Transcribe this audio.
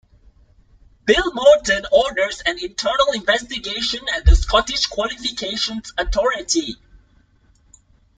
Bill Morton orders an internal investigation at the Scottish Qualifications Authority.